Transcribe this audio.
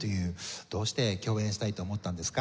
どうして共演したいと思ったんですか？